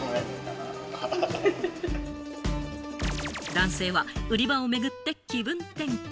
男性は売り場を巡って気分転換。